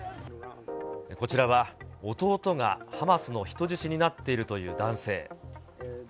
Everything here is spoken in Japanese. こちらは弟がハマスの人質になっているという男性。